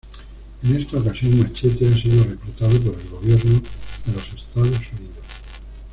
En esta ocasión Machete ha sido reclutado por el gobierno de los Estados Unidos.